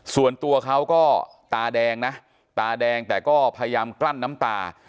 ส่วนตัวเขาก็ตาแดงนะตาแดงแต่ก็พยายามกลั้นน้ำตา